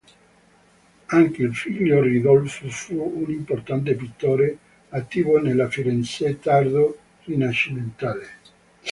Anche il figlio Ridolfo fu un importante pittore, attivo nella Firenze tardo-rinascimentale.